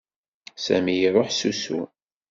Sami iruḥ s usu.